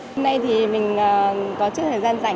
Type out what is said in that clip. hôm nay thì mình có chút thời gian rảnh